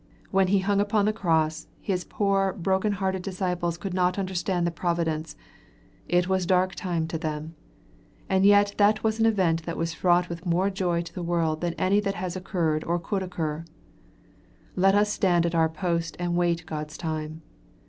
When He hung upon the cross, His poor broken hearted disciples could not understand the providence; it was a dark time to them; and yet that was an event that was fraught with more joy to the world than any that has occurred or could occur. Let us stand at our post and wait God's time.